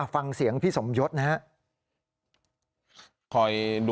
ฟังเสียงพี่สมยศนะครับ